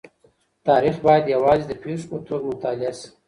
تاریخ باید یوازې د پېښو په توګه مطالعه سي.